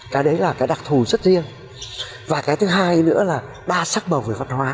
cái đấy là cái đặc thù rất riêng và cái thứ hai nữa là đa sắc bầu về văn hóa